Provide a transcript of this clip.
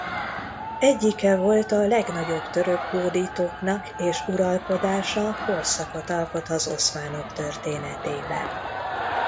Egyike volt a legnagyobb török hódítóknak és uralkodása korszakot alkot az oszmánok történetében.